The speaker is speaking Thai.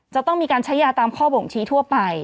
จะต้องมีการใช้ยาตามข้อบ่งชี้ทั่วไป